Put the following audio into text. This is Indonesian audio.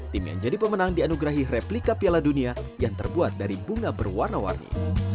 tim yang jadi pemenang dianugerahi replika piala dunia yang terbuat dari bunga berwarna warni